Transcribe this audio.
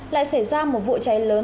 lại xảy ra một vụ cháy lớn